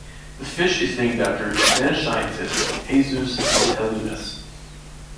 The fish is named after Spanish scientist Jesus Matallanas.